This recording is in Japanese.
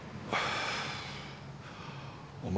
お前